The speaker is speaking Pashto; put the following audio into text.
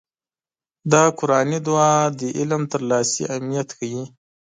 دا قرآني دعا د علم ترلاسي اهميت ښيي.